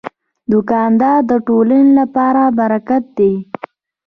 دوکاندار د ټولنې لپاره برکت دی.